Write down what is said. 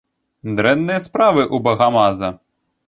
Дрэнныя справы ў багамаза.